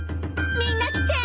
みんな来て。